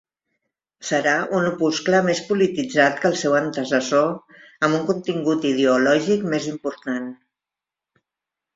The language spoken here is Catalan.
Serà un opuscle més polititzat que el seu antecessor, amb un contingut ideològic més important.